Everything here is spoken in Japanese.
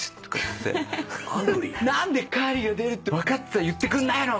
何でカーリーが出るって分かってたのに言ってくれないの！」